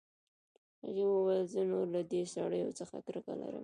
هغې وویل زه نور له دې سړیو څخه کرکه لرم